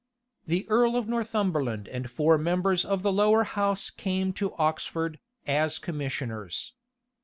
The earl of Northumberland and four members of the lower house came to Oxford, as commissioners.